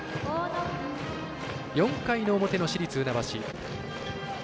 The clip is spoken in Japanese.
４回の表の市立船橋。